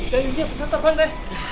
gayungnya bisa terbang deh